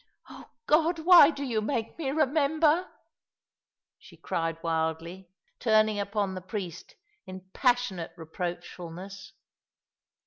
Oh God ! why do you make me remember?" she cried wildly, turning upon the priest in passionate reproachfulness.